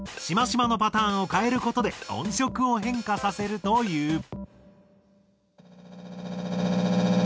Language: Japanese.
しましまのパターンを変える事で音色を変化させるという。